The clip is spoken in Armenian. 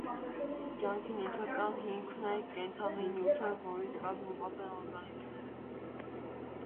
Կյանքի նյութական հիմքն է, կենդանի նյութը, որից կազմված են օրգանիզմները։